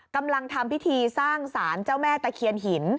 กำลังทำพิธีสร้างสารเจ้าแม่ตะเคียนหิน